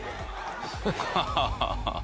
ハハハハハ。